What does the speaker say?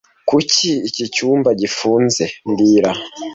Kuki iki cyumba gifunze mbwira